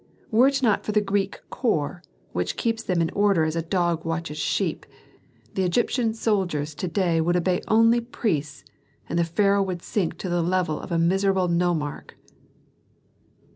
Were it not for the Greek corps, which keeps them in order as a dog watches sheep, the Egyptian soldiers to day would obey only priests and the pharaoh would sink to the level of a miserable nomarch."